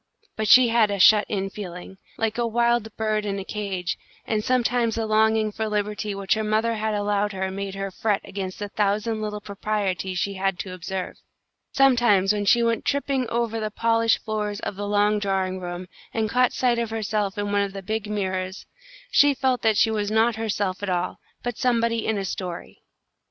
But she had a shut in feeling, like a wild bird in a cage, and sometimes the longing for liberty which her mother had allowed her made her fret against the thousand little proprieties she had to observe. Sometimes when she went tipping over the polished floors of the long drawing room, and caught sight of herself in one of the big mirrors, she felt that she was not herself at all, but somebody in a story.